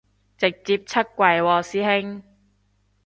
直接出櫃喎師兄